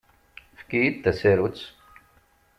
Efk-iyi-d tasarut.